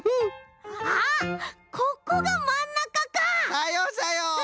さようさよう！